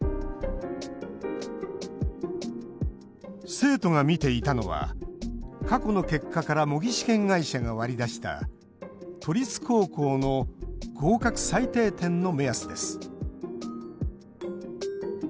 生徒が見ていたのは過去の結果から模擬試験会社が割り出した都立高校の合格最低点の目安です。